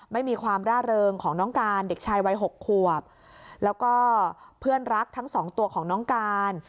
ไม่มีความร่าเริงของน้องการเด็กชายวัย๖ขวบแล้วก็เพื่อนรักทั้งสองตัวของน้องการ